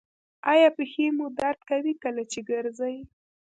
ایا پښې مو درد کوي کله چې ګرځئ؟